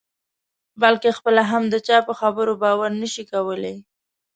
بلکې خپله هم د چا په خبرو باور نه شي کولای.